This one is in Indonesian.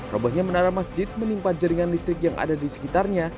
robohnya menara masjid menimpa jaringan listrik yang ada di sekitarnya